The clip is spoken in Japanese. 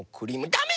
だめ！